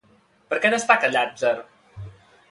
Per què destaca Llàtzer?